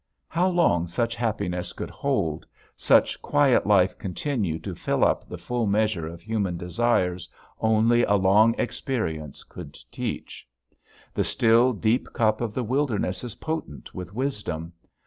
How long such happiness could hold, such quiet life continue to fill up the full measure of human desires only a long experience could teach. The still, deep cup of the wilderness is potent with wisdom.